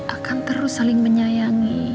akan terus saling menyayangi